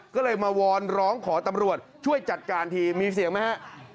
ก็เลยมาวอนร้องขอตำรวจช่วยจัดการทีมีเสียงไหมฮะ